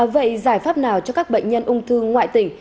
vậy giải pháp nào cho các bệnh nhân ung thư ngoại tỉnh